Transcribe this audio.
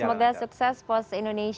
semoga sukses pos indonesia